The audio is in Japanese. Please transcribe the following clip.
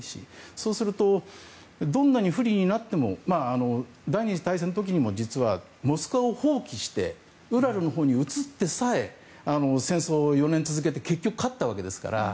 そうするとどんなに不利になっても第２次大戦の時にも実は、モスクワを放棄してウラルのほうに移ってさえ戦争を４年続けて、結局勝ったわけですから。